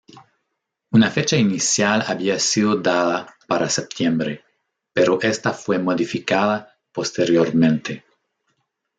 Una fecha inicial había sido dada para septiembre, pero esta fue modificada posteriormente.